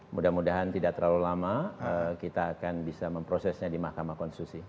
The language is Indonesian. mudah mudahan tidak terlalu lama kita akan bisa memprosesnya di mahkamah konstitusi